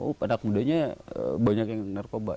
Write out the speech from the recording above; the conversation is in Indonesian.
oh anak mudanya banyak yang narkoba